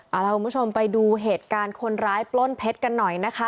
เอาล่ะคุณผู้ชมไปดูเหตุการณ์คนร้ายปล้นเพชรกันหน่อยนะคะ